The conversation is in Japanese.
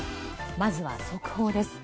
まずは速報です。